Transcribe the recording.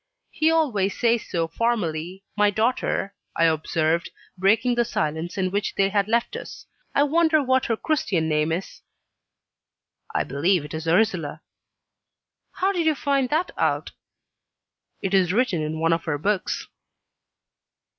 "He always says so formally, 'my daughter,'" I observed, breaking the silence in which they had left us. "I wonder what her Christian name is." "I believe it is Ursula." "How did you find that out?" "It is written in one of her books."